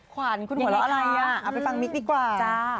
ขวัญคุณหัวเราะอะไรอ่ะเอาไปฟังมิ๊กดีกว่าจ้า